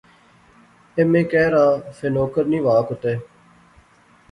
ایم اے کیر آ فہ نوکر نی وہا کوتے